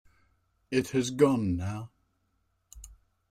It has gone now.